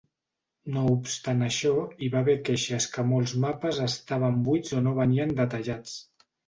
No obstant això, hi va haver queixes que molts mapes estaven buits o no venien detallats.